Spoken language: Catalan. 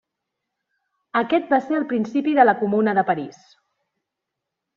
Aquest va ser el principi de la Comuna de París.